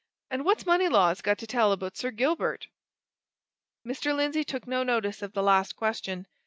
and what's Moneylaws got to tell about Sir Gilbert?" Mr. Lindsey took no notice of the last question.